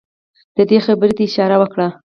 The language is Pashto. ده دې خبرې ته اشاره وکړه.